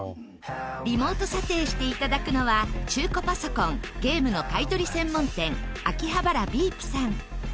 リモート査定して頂くのは中古パソコン・ゲームの買い取り専門店アキハバラ＠ＢＥＥＰさん。